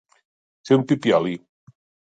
Ser un pipioli.